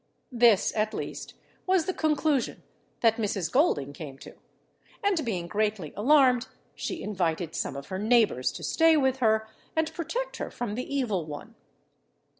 This, at least, was the conclusion that Mrs. Golding came to; and being greatly alarmed, she invited some of her neighbours to stay with her, and protect her from the evil one.